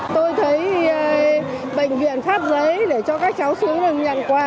tôi thấy bệnh viện phát giấy để cho các cháu xuống được nhận quà